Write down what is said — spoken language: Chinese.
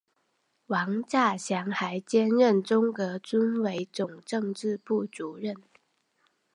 王稼祥还兼任中革军委总政治部主任。